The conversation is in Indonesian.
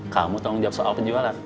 kamu tanggung jawab soal penjualan